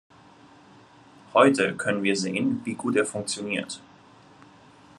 Heute können wir sehen, wie gut er funktioniert.